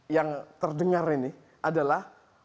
yang terdengar ini adalah